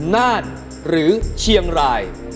น่านหรือเชียงราย